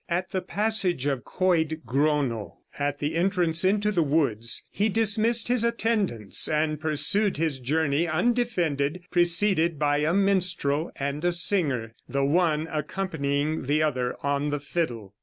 At the passage of Coed Grono, at the entrance into the woods, he dismissed his attendants and pursued his journey undefended, preceded by a minstrel and a singer, the one accompanying the other on the fiddle.